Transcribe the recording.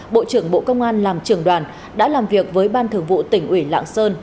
bộ trưởng bộ công an làm trưởng đoàn đã làm việc với ban thường vụ tỉnh ủy lạng sơn